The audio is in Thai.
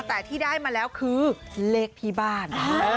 แต่ที่ได้มาแล้วคือเลขที่บ้าน